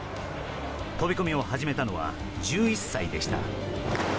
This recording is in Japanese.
飛込を始めたのは１１歳でした。